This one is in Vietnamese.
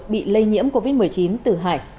bị lây nhiễm covid một mươi chín từ hải